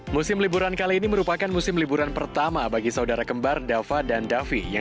musim liburan kali ini merupakan musim liburan pertama bagi saudara kembar dava dan davi yang